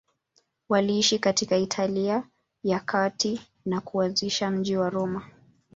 Waliishi katika Italia ya Kati na kuanzisha mji wa Roma.